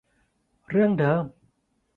เรื่องเดิม